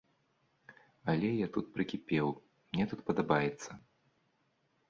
Але я тут прыкіпеў, мне тут падабаецца.